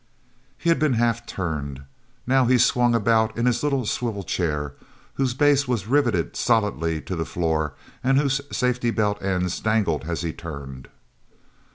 He had been half turned. Now he swung about in his little swivel chair, whose base was riveted solidly to the floor and whose safety belt ends dangled as he turned.